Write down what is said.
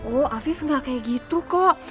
oh afif gak kayak gitu kok